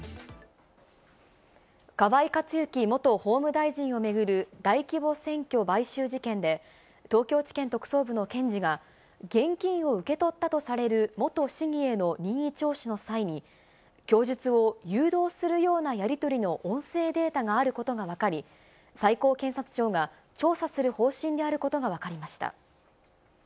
河井克行元法務大臣を巡る大規模選挙買収事件で、東京地検特捜部の検事が、現金を受け取ったとされる元市議への任意聴取の際に、供述を誘導するようなやり取りの音声データがあることが分かり、最高検察庁が調査する方針であることが分かりました。